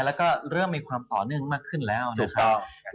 แล้วก็เริ่มมีความต่อเนื่องมากขึ้นแล้วนะครับ